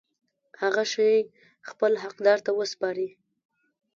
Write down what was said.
هغه شی خپل حقدار ته وسپاري.